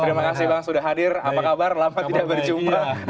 terima kasih bang sudah hadir apa kabar lama tidak berjumpa